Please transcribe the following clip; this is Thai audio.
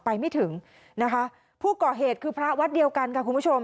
ไปไม่ถึงนะคะผู้ก่อเหตุคือพระวัดเดียวกันค่ะคุณผู้ชม